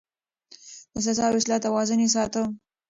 د سزا او اصلاح توازن يې ساته.